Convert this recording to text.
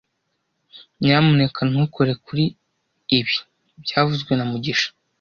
Nyamuneka ntukore kuri ibi byavuzwe na mugisha